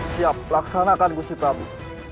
siap laksanakan gusti prabu